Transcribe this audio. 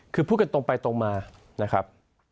คือพูดกันตรงไปตรงมานะครับ